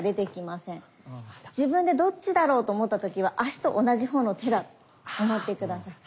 自分でどっちだろうと思った時は足と同じ方の手だと思って下さい。